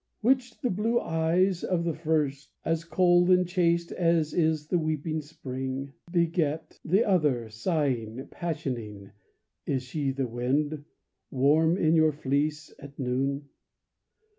which the blue eyes of the first, As cold and chaste as is the weeping spring, Beget: the other, sighing, passioning, Is she the wind, warm in your fleece at noon?